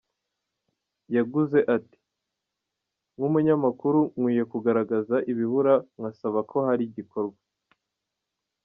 Yaguze ati “Nk’umunyamakuru, nkwiye kugaragaza ibibura nkasaba ko hari igikorwa.